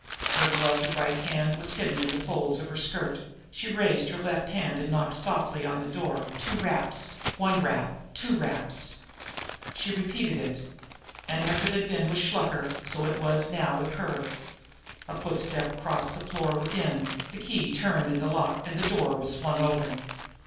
Her gloved right hand was hidden in the folds of her skirt; she raised her left hand and knocked softly upon the door two raps, one rap, two raps. She repeated it. And as it had been with Shluker, so it was now with her. A footstep crossed the floor within, the key turned in the lock, and the door was flung open.